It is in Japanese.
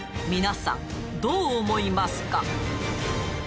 皆さんどう思いますか？